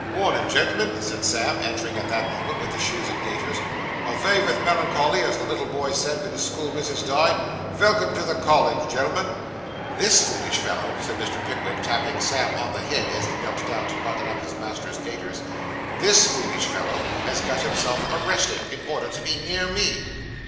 'Mornin', gen'l'm'n,' said Sam, entering at the moment with the shoes and gaiters. 'Avay vith melincholly, as the little boy said ven his schoolmissus died. Velcome to the college, gen'l'm'n.' 'This foolish fellow,' said Mr. Pickwick, tapping Sam on the head as he knelt down to button up his master's gaiters 'this foolish fellow has got himself arrested, in order to be near me.